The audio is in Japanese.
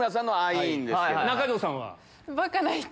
中条さんは？